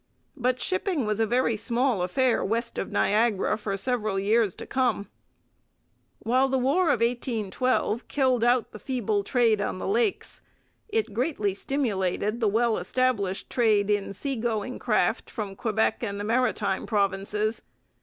But shipping was a very small affair west of Niagara for several years to come. While the War of 1812 killed out the feeble trade on the Lakes, it greatly stimulated the well established trade in sea going craft from Quebec and the Maritime Provinces.